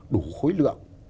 đủ khối lượng